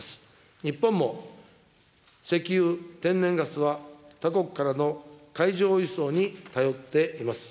日本も石油、天然ガスは他国からの海上輸送に頼っています。